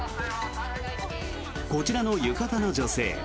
こちらの浴衣の女性。